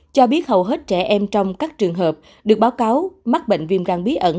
cho biết hầu hết trẻ em trong các trường hợp được báo cáo mắc bệnh viêm răng bí ẩn